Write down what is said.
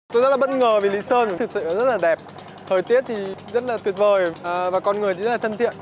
tôi rất là bất ngờ vì lý sơn thực sự rất là đẹp thời tiết thì rất là tuyệt vời và con người thì rất là thân thiện